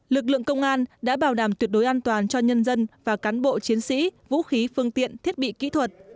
lực lượng công an đã bảo đảm tuyệt đối an toàn cho nhân dân và cán bộ chiến sĩ vũ khí phương tiện thiết bị kỹ thuật